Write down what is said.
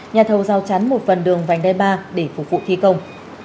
nhà thầu giao chắn một phần đường vành đai ba để phục vụ thi công